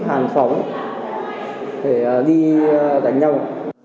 đảng thông tin giềng hà đông